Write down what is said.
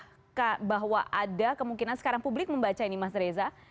apakah bahwa ada kemungkinan sekarang publik membaca ini mas reza